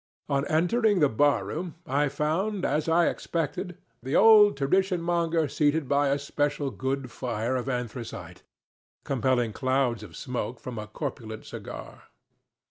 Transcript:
On entering the bar room, I found, as I expected, the old tradition monger seated by a special good fire of anthracite, compelling clouds of smoke from a corpulent cigar.